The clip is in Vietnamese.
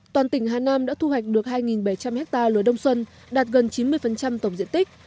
toàn tỉnh hà nam đã thu hoạch được hai bảy trăm linh ha lúa đông xuân đạt gần chín mươi tổng diện tích